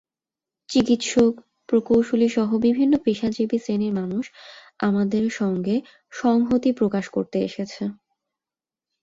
চিকিৎসক, প্রকোশলীসহ বিভিন্ন পেশাজীবী শ্রেনীর মানুষ আমাদের সঙ্গে সংহতি প্রকাশ করতে এসেছে।